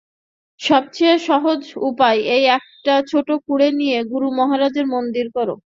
সবচেয়ে সহজ উপায় এই একটা ছোট কুঁড়ে নিয়ে গুরু-মহারাজের মন্দির কর।